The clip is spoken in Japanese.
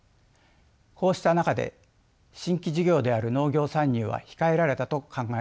こうした中で新規事業である農業参入は控えられたと考えられます。